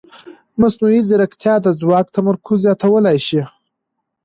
مصنوعي ځیرکتیا د ځواک تمرکز زیاتولی شي.